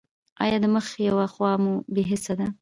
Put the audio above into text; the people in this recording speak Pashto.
ایا د مخ یوه خوا مو بې حسه ده؟